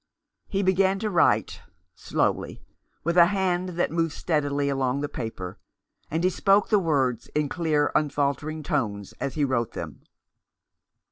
He began to write — slowly — with a hand that moved steadily along the paper, and he spoke the words in clear unfaltering tones as he wrote them.